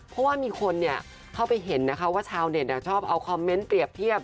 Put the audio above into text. เพราะว่ามีคนเข้าไปเห็นนะคะว่าชาวเน็ตชอบเอาคอมเมนต์เปรียบเทียบ